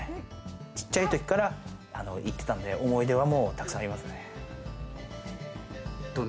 ちっちゃいときからいってたんで、思い出はたくさんありますよね。